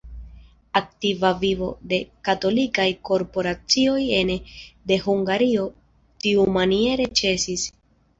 Aktiva vivo de katolikaj korporacioj ene de Hungario tiumaniere ĉesis.